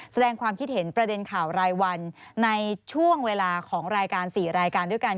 แสดงความคิดเห็นประเด็นข่าวรายวันในช่วงเวลาของรายการ๔รายการด้วยกัน